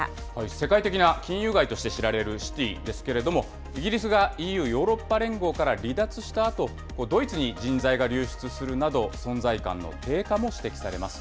世界的な金融街として知られるシティですけれども、イギリスがＥＵ・ヨーロッパ連合から離脱したあと、ドイツに人材が流出するなど、存在感の低下も指摘されます。